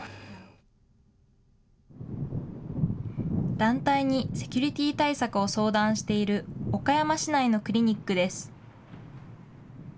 団体にセキュリティー対策を相談している岡山市内のクリニックです。